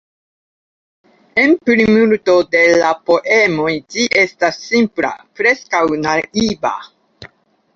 En plimulto de la poemoj ĝi estas simpla, preskaŭ naiva.